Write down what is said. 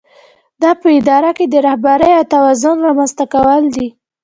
دا په اداره کې د رهبرۍ او توازن رامنځته کول دي.